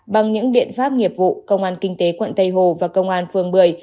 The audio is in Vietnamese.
bằng những biện pháp nghiệp vụ công an kinh tế quận tây hồ và công an phường bưởi